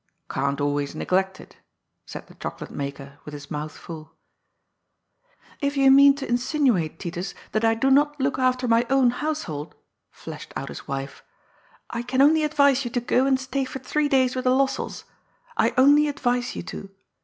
" Can't always neglect it," said the chocolate maker, with his mouth full. " If you mean to insinuate, Titus, that I do not look after my own household," flashed out his wife, " I can only ad vise you to go and stay for three days with the Lossells. I only advise you to.